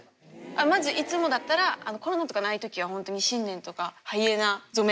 まずいつもだったらコロナとかない時はホントに新年とかハイエナ初め。